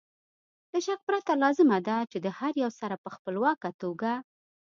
له شک پرته لازمه ده چې د هر یو سره په خپلواکه توګه